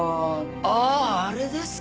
あああれですか。